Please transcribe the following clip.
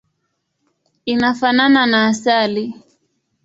Inafanana na asali.